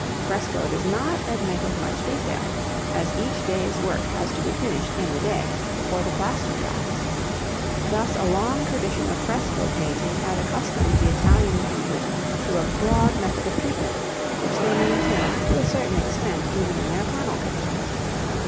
Fresco does not admit of much detail, as each day's work has to be finished in the day, before the plaster dries. Thus, a long tradition of fresco painting had accustomed the Italian painters to a broad method of treatment, which they maintained to a certain extent even in their panel pictures.